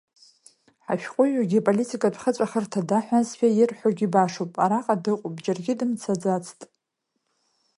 Ҳашәҟәыҩҩгьы аполитикатә хыҵәахырҭа даҳәазшәа ирҳәогьы башоуп, араҟа дыҟоуп, џьаргьы дымцаӡацт…